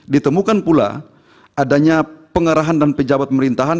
ditemukan pula adanya pengarahan dan pejabat pemerintahan